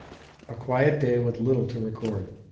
A quiet day with little to record.